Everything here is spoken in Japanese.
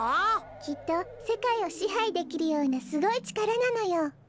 きっとせかいをしはいできるようなすごいちからなのよ！